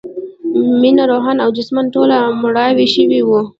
مينه روحاً او جسماً ټوله مړاوې شوې وه